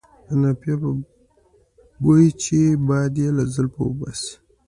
د نافې په بوی چې باد یې له زلفو وباسي.